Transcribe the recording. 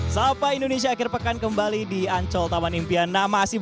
sapa indonesia akhir pekan kembali di ancol taman impian